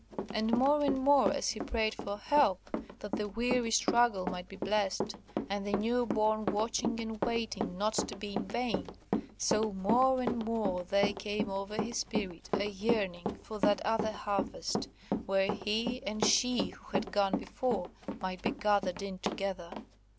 And more and more as he prayed for help, that the weary struggle might be blessed, and the new born watching and waiting not be in vain; so more and more there came over his spirit a yearning for that other harvest, where he, and she who had gone before, might be gathered in together.